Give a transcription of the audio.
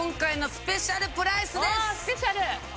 スペシャル。